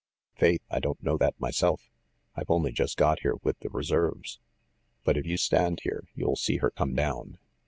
"Faith, I don't know that myself. I've only just got here with the reserves. But if you stand here, you'll see her come down.